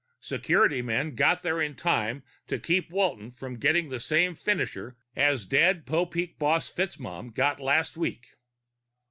Security men got there in time to keep Walton from getting the same finisher as dead Popeek boss FitzMaugham got last week.